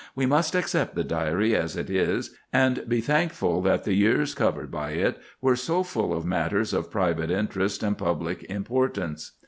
We must accept the Diary as it is, and be thankful that the years covered by it were so full of matters of private interest and public importance.